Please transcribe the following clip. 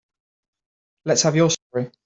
Let's have your story.